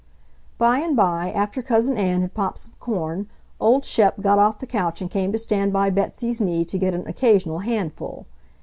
By and by, after Cousin Ann had popped some corn, old Shep got off the couch and came to stand by Betsy's knee to get an occasional handful.